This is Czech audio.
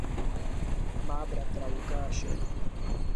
Má bratra Lukáše.